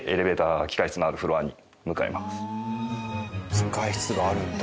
機械室があるんだ。